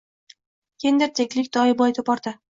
Gender tenglik doimo e’tiborda